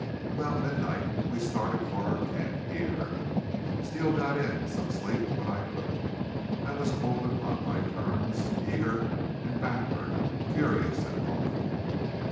"About midnight we started for our camp here. Steele got in some sleep, but I couldn't. I was cold and hot by turns, eager and backward, furious and thoughtful.